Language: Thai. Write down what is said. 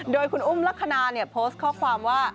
โดยคุณอุ้มลักษณะโพสต์ข้อความว่า